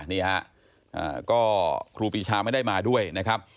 นี่ฮะก็ครูปีชาไม่ได้มาด้วยนะครับ